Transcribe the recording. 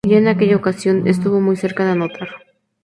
Ya en aquella ocasión estuvo muy cerca de anotar.